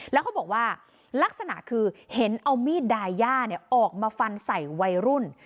แล้วเขาบอกว่าลักษณะคือเห็นเอามีดดายย่าออกมาฟันใส่วัยรุ่น